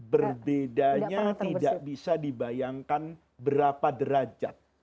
berbedanya tidak bisa dibayangkan berapa derajat